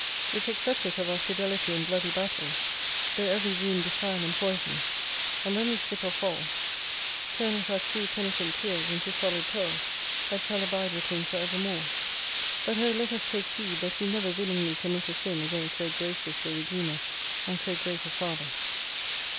Which accepteth of our fidelity in bloody battles, though every wound defile and poison ; and when we slip or fall, turneth our true 196 penitent tears into solid pearl, that shall abide with Him for evermore. But oh let us take heed that wc never willingly commit a sin against so gracious a Redeemer, and so great a Father.